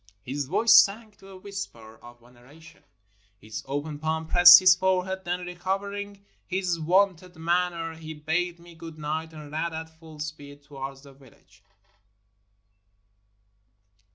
His voice sank to a whisper of veneration ; his open pahn pressed his forehead — then, recovering his wonted manner, he bade me good night and ran at full speed towards the village.